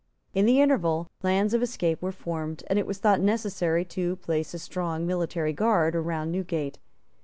In the interval plans of escape were formed; and it was thought necessary to place a strong military guard round Newgate.